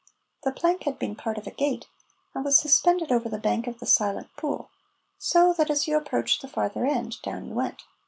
The plank had been part of a gate, and was suspended over the bank of the Silent Pool, so that, as you approached the farther end, down you went.